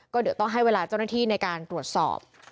ก็เดี๋ยวต้องให้เวลาเจ้าหน้าที่ในการตรวจสอบ